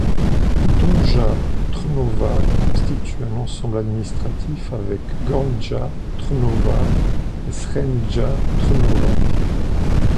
Donja Trnova constitue un ensemble administratif avec Gornja Trnova et Srednja Trnova.